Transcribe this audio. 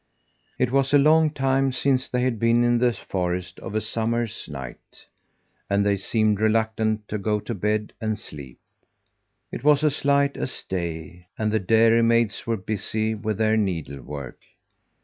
It was a long time since they had been in the forest of a summer's night, and they seemed reluctant to go to bed and sleep. It was as light as day, and the dairymaids were busy with their needle work.